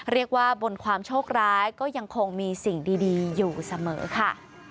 เรียกว่าบนความโชคร้ายก็ยังคงมีสิ่งดีอยู่เสมอค่ะ